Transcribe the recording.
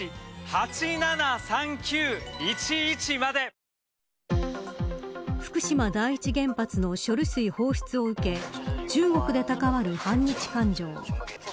北京の日本大使館に福島第一原発の処理水放出を受け中国で高まる反日感情。